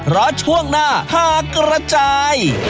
เพราะช่วงหน้าหากระจาย